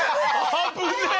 危ねえ！